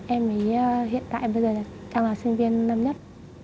em ấy hiện tại bây giờ đang là sinh viên năm nhất